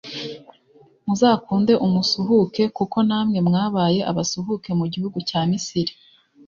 muzakunde umusuhuke, kuko namwe mwabaye abasuhuke mu gihugu cya misiri.